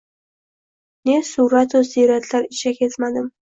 Ne suvratu siyratlar ichra kezmadim